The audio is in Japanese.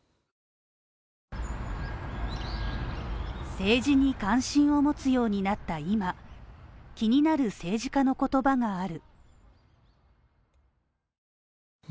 政治に関心を持つようになった今、気になる政治家の言葉がある。